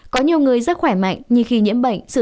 có nhiều người rất khỏe mạnh như khi nhiễm bệnh